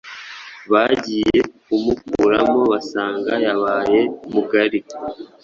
Bagiye kumukuramo basanga yabaye mugari,